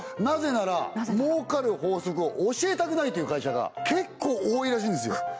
なぜなら儲かる法則を教えたくないという会社が結構多いらしいんですよ